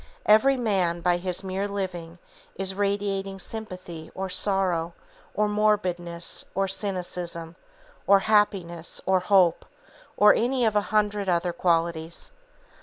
Every man, by his mere living, is radiating sympathy, or sorrow, or morbidness, or cynicism, or happiness, or hope, or any of a hundred other qualities.